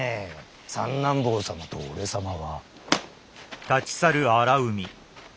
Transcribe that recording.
三男坊様と俺様は。